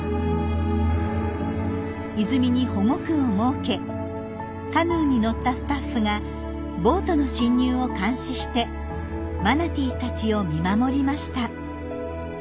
泉に保護区を設けカヌーに乗ったスタッフがボートの侵入を監視してマナティーたちを見守りました。